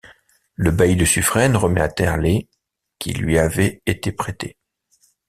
Le bailli de Suffren remet à terre les qui lui avaient été prêtés.